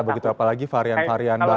begitu apalagi varian varian baru